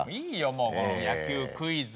もう野球クイズ。